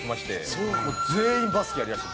もう全員バスケやりだして。